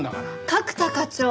角田課長。